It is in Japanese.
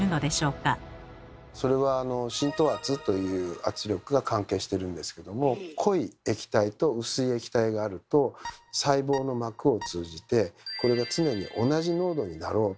それは「浸透圧」という圧力が関係してるんですけども濃い液体と薄い液体があると細胞の膜を通じてこれが常に同じ濃度になろう。